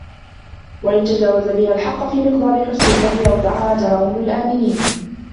وَإِنْ تَجَاوَزَ بِهَا الْحَقَّ فِي مِقْدَارِ حُسْنِ الظَّنِّ أَوْدَعَهَا تَهَاوُنَ الْآمَنِينَ